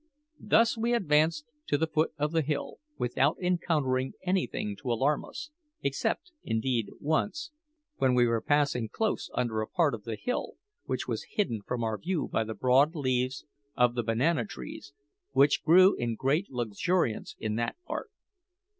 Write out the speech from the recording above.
Thus we advanced to the foot of the hill without encountering anything to alarm us, except, indeed, once, when we were passing close under a part of the hill which was hidden from our view by the broad leaves of the banana trees, which grew in great luxuriance in that part.